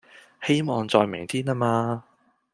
希望在明天啊嘛